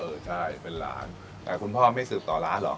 เออใช่เป็นหลานแต่คุณพ่อไม่สืบต่อล้านเหรอ